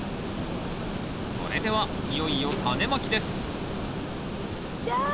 それではいよいよタネまきですちっちゃい。